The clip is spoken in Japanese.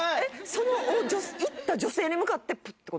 その行った女性に向かってプッてこと？